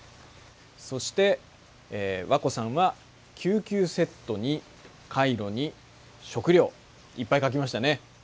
そして和子さんはきゅうきゅうセットにカイロに食料いっぱい書きましたね。